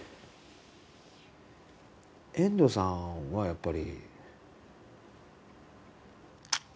遠藤さんはやっぱり。